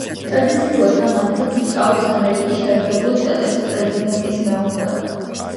ტრადიციულად ამ ადგილს იკავებს ამერიკის შეერთებული შტატების პრეზიდენტის მეუღლე.